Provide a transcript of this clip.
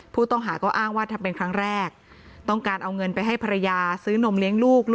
ผู้ต้องหาก็อ้างว่าทำเป็นครั้งแรกต้องการเอาเงินไปให้ภรรยาซื้อนมเลี้ยงลูก